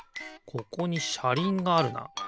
ここにしゃりんがあるな。